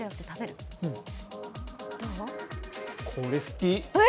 これ、好き。